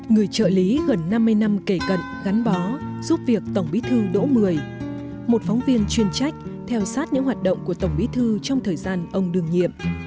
người trợ lý gần năm mươi năm kể cận gắn bó giúp việc tổng bí thư đỗ mười một phóng viên chuyên trách theo sát những hoạt động của tổng bí thư trong thời gian ông đường nhiệm